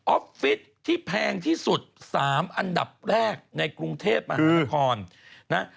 ออฟฟิศที่แพงที่สุด๓อันดับแรกในกรุงเทพฯมากกว่าพร